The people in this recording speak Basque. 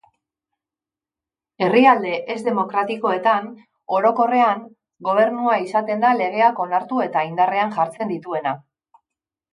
Herrialde ez-demokratikoetan, orokorrean, gobernua izaten da legeak onartu eta indarrean jartzen dituena.